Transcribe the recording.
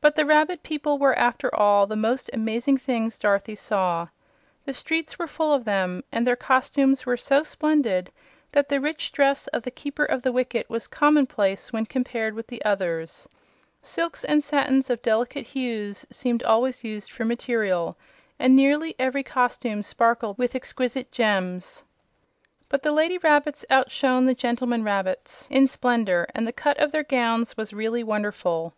But the rabbit people were, after all, the most amazing things Dorothy saw. The streets were full of them, and their costumes were so splendid that the rich dress of the Keeper of the Wicket was commonplace when compared with the others. Silks and satins of delicate hues seemed always used for material, and nearly every costume sparkled with exquisite gems. But the lady rabbits outshone the gentlemen rabbits in splendor, and the cut of their gowns was really wonderful.